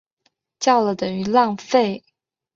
叫了等于浪费